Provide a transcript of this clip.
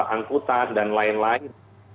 angkutan dan lain lain